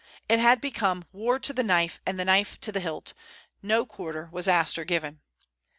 It had become "war to the knife, and the knife to the hilt." No quarter was asked or given.